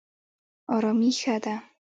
ارامي ښه ده.